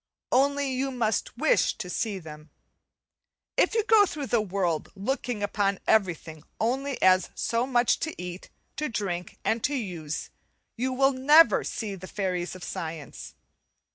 Only you must with to see them. If you go through the world looking upon everything only as so much to eat, to drink, and to use, you will never see the fairies of science.